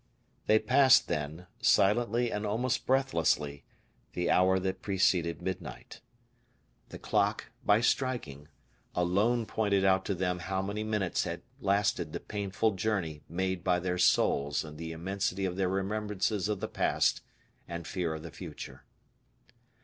They passed, then, silently and almost breathlessly, the hour that preceded midnight. The clock, by striking, alone pointed out to them how many minutes had lasted the painful journey made by their souls in the immensity of their remembrances of the past and fear of the future.